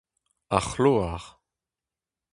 Ar c’hloar.